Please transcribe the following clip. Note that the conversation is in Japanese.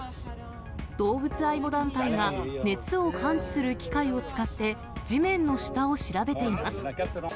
動物愛護団体が、熱を感知する機械を使って、地面の下を調べています。